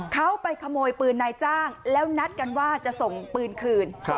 เขาไปขโมยปืนนายจ้างแล้วนัดกันว่าจะส่งปืนคืน